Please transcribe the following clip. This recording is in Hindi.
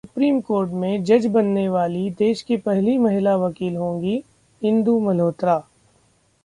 सुप्रीम कोर्ट में जज बनने वाली देश की पहली महिला वकील होंगी इंदु मल्होत्रा